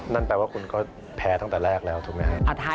นั่นแปลว่าคุณก็แพ้ตั้งแต่แรกแล้วถูกไหมครับ